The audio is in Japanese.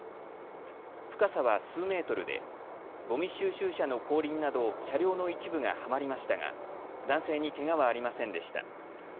深さは数メートルでごみ収集車の後輪など車両の一部がはまりましたが、男性にけがはありませんでした。